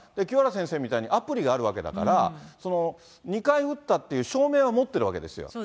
清原先生みたいにアプリがあるわけだから、２回打ったっていう証明は持ってるわけですよ。